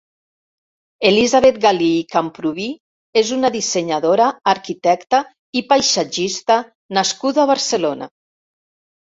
Elisabeth Galí i Camprubí és una dissenyadora, arquitecta i paisatgista nascuda a Barcelona.